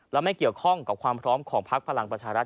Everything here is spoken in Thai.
และไม่เกี่ยวข้องกับความพร้อมของพักพลังประชารัฐ